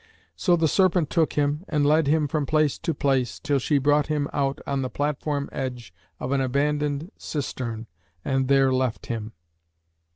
So the serpent took him and led him from place to place, till she brought him out on the platform edge of an abandoned cistern and there left him.